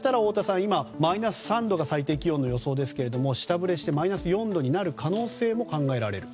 今、マイナス３度が最低気温の予想ですが下振れしてマイナス４度になる可能性も考えられると。